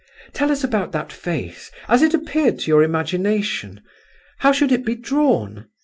"Tell us about that face as it appeared to your imagination—how should it be drawn?